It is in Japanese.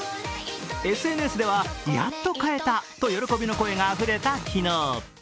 ＳＮＳでは、やっと買えたと喜びの声があふれた昨日。